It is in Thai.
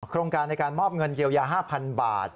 โครงการในการมอบเงินเยียวยา๕๐๐๐บาท